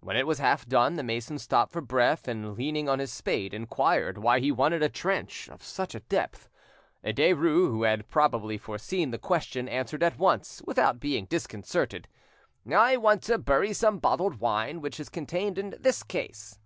When it was half done, the mason stopped for breath, and leaning on his spade, inquired why he wanted a trench of such a depth. Derues, who had probably foreseen the question, answered at once, without being disconcerted— "I want to bury some bottled wine which is contained in this case."